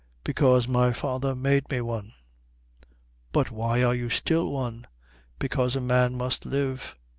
"Because my father made me one." "But why are you still one?" "Because a man must live."